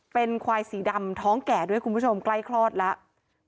เป็นควายสีดำท้องแก่ด้วยคุณผู้ชมใกล้คลอดแล้ว